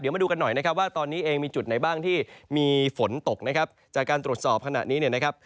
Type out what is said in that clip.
มาดูกันหน่อยนะครับว่าตอนนี้เองมีจุดไหนบ้างที่มีฝนตกนะครับจากการตรวจสอบขณะนี้เนี่ยนะครับ